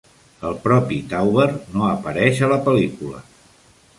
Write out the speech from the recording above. El propi Tauber no apareix a la pel.lícula.